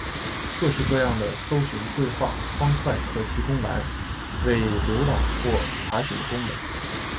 各式各样的搜寻对话方块可提供栏位浏览或查询的功能。